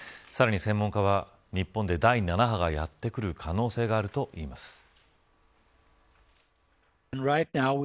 さらに専門家は、日本で第７波がやってくる可能性があると言います。